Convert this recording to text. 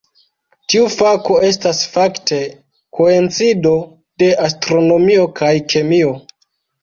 Tiu fako estas fakte koincido de astronomio kaj kemio.